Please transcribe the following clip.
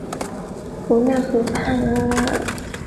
罗讷河畔阿尔拉。